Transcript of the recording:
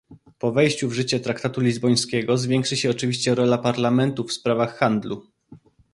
Po wejściu w życie traktatu lizbońskiego zwiększy się oczywiście rola Parlamentu w sprawach handlu